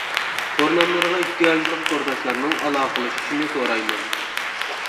تور ناملىرىغا ئېھتىياجلىق تورداشلارنىڭ ئالاقىلىشىشىنى سورايمەن.